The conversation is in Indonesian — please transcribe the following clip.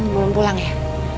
belum pulang ya